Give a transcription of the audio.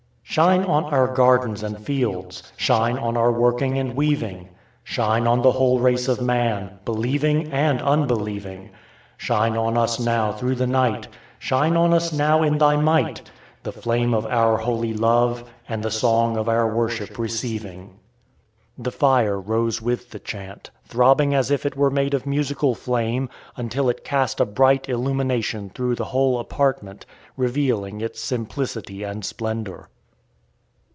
Shine on our gardens and fields, Shine on our working and weaving; Shine on the whole race of man, Believing and unbelieving; Shine on us now through the night, Shine on us now in Thy might, The flame of our holy love and the song of our worship receiving. The fire rose with the chant, throbbing as if it were made of musical flame, until it cast a bright illumination through the whole apartment, revealing its simplicity and splendour.